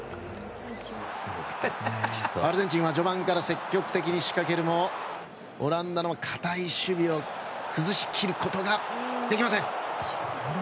アルゼンチンは序盤から積極的に仕掛けるもオランダの堅い守備を崩し切ることができません。